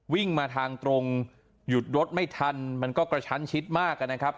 วิ่งมาทางตรงหยุดรถไม่ทันมันก็กระชั้นชิดมากนะครับ